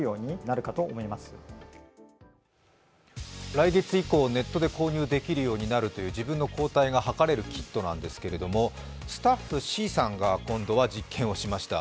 来月以降、ネットで自分で購入することができるという自分の抗体がはかれるキットなんですけど、スタッフＣさんが今度は実験をしました。